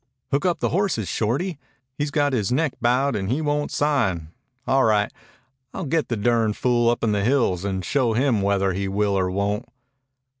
"Hook up the horses, Shorty. He's got his neck bowed and he won't sign. All right. I'll get the durn fool up in the hills and show him whether he will or won't."